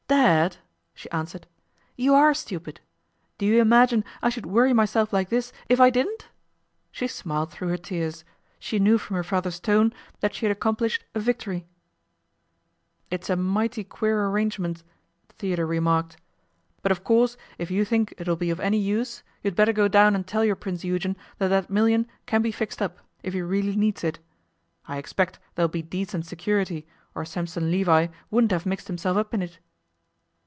'Dad,' she answered, 'you are stupid. Do you imagine I should worry myself like this if I didn't?' She smiled through her tears. She knew from her father's tone that she had accomplished a victory. 'It's a mighty queer arrangement,' Theodore remarked. 'But of course if you think it'll be of any use, you had better go down and tell your Prince Eugen that that million can be fixed up, if he really needs it. I expect there'll be decent security, or Sampson Levi wouldn't have mixed himself up in it.